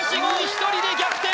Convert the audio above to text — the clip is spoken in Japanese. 一人で逆転！